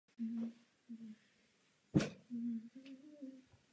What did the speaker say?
Respondenti by měli být náhodně vybráni.